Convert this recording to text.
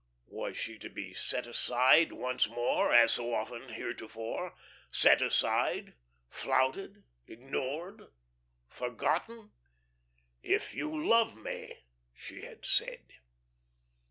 Was she to be set aside once more, as so often heretofore set aside, flouted, ignored, forgotten? "If you love me," she had said.